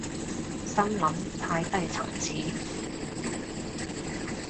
心諗太低層次